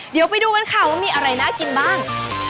เดี๋ยวไปดูกันค่ะว่ามีอะไรน่ากินบ้าง